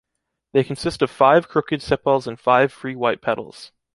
They consist of five crooked sepals and five free white petals.